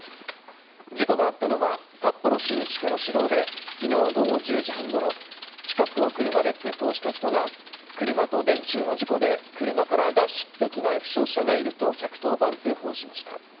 事故があったのは、札幌市西区の市道で、きのう午後１０時半ごろ、近くを車で通行した人が、車と電柱の事故で、車から脱出できない負傷者がいると１１０番通報しました。